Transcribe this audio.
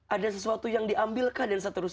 ada yang diambil kah